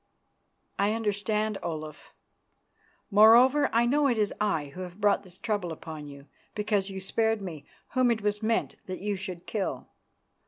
"I understand, Olaf; moreover, I know it is I who have brought this trouble upon you because you spared me, whom it was meant that you should kill.